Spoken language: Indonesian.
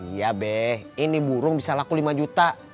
iya beh ini burung bisa laku lima juta